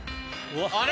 ・あれ？